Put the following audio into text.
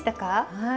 はい。